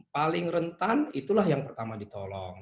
paling rentan itulah yang pertama ditolong